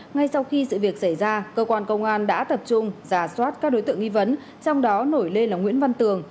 ngay sau khi sự việc xảy ra cơ quan công an đã tập trung giả soát các đối tượng nghi vấn trong đó nổi lên là nguyễn văn tường